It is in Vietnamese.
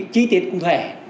chí tiết cụ thể